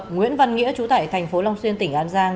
nguyễn văn nghĩa chú tải thành phố long xuyên tỉnh an giang